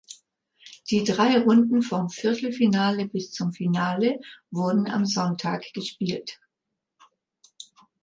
Die drei Runden vom Viertelfinale bis zum Finale wurden am Sonntag gespielt.